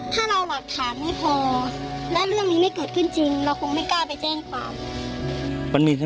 ถ้าเราหลักฐานไม่พอและเรื่องนี้ไม่เกิดขึ้นจริงเราคงไม่กล้าไปแจ้งความ